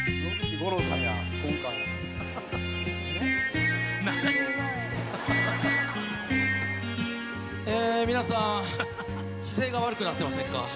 『私鉄沿線』皆さん姿勢が悪くなってませんか？